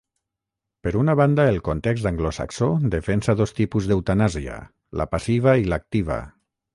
Per una banda, el context anglosaxó defensa dos tipus d'eutanàsia, la passiva i l'activa.